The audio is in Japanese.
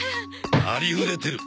ありふれてる！